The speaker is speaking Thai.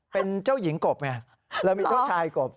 เป็นเจ้าหญิงกบไงเรามีเจ้าชายกบ